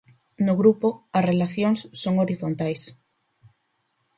No grupo as relacións son horizontais.